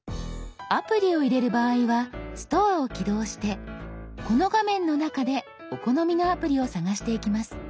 アプリを入れる場合は「ストア」を起動してこの画面の中でお好みのアプリを探していきます。